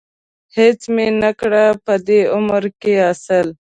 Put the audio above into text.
هېڅ مې نه کړه په دې عمر کې حاصل.